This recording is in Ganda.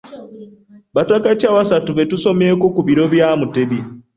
Bataka ki abasatu be tusomyeko ku biro bya Mutebi?